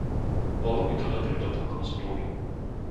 Bolo by to dobrým doplnkom Zmluvy.